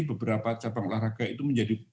beberapa cabang olahraga itu menjadi